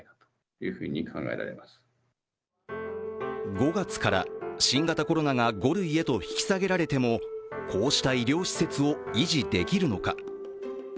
５月から新型コロナが５類へと引き下げられてもこうした医療施設を維持できるのか。